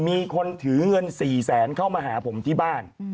มีคนถือเงิน๔แสนเข้ามาหาผมที่บ้าน